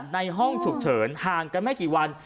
ในห้องฉุกเฉินห่างกันไม่กี่วัน